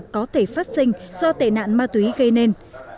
có thể phát sinh do tệ nạn ma túy gây nên